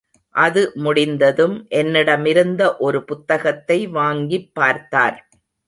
அது முடிந்ததும், என்னிடமிருந்த ஒரு புத்தகத்தை வாங்கிப் பார்த்தார்.